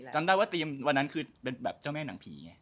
จำได้ว่าเตรียมวันนั้นคือเป็นแบบเจ้าแม่หนังผีไง